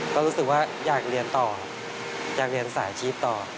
ก็รู้สึกว่าอยากเรียนต่ออยากเรียนสายอาชีพต่อ